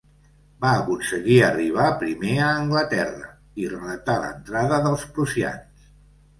Va aconseguir arribar primer a Anglaterra i relatar l'entrada del prussians.